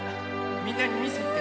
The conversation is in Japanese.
みんなにみせて。